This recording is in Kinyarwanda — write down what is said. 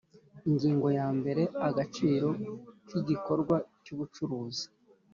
Ingingo ya mbere Agaciro k igikorwa cy ubucuruzi